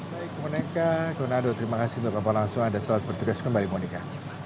saya kemeneka gornado terima kasih untuk apa langsung ada selalu bertugas kembali kemeneka